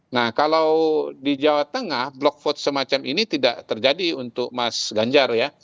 nah kalau di jawa tengah blok vote semacam ini tidak terjadi untuk mas ganjar ya